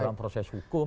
dalam proses hukum